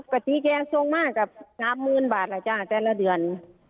กระทิแกรงส่งมากกับ๓หมื่นบาทละจ้าแต่ละเดือน